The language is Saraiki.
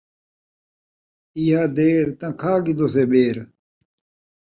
ایہا دیر تاں کھا گھدوسے ٻیر